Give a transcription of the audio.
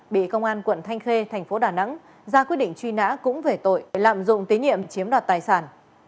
bị công an quận thanh khê thành phố đà nẵng ra quyết định truy nã cũng về tội lạm dụng tín nhiệm chiếm đoạt tài sản